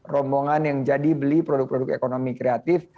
rombongan yang jadi beli produk produk ekonomi kreatif